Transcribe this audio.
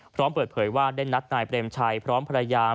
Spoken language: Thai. พร้อมเปิดเผยว่าได้นัดนายเปรมชัยพร้อมภรรยา